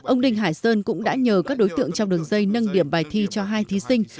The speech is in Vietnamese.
ông đinh hải sơn cũng đã nhờ các đối tượng trong đường dây nâng điểm bài thi cho hai thí sinh